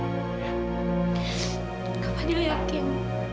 kak fadiyah yakin